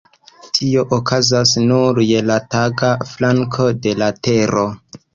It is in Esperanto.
Tio okazas nur je la taga flanko de la Tero.